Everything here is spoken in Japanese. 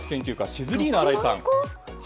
シズリーナ荒井さん。